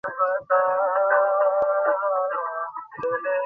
হঠাৎ কবে চমক লাগাবেন কিছু বলা যায় না।